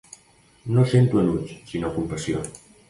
No sento enuig, sinó compassió.